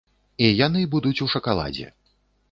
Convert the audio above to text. І яны будуць у шакаладзе!